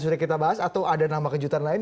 sudah kita bahas atau ada nama kejutan lain